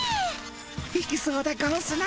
いきそうでゴンスな。